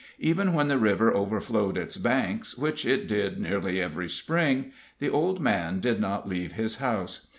Even when the river overflowed its banks, which it did nearly every Spring, the old man did not leave his house.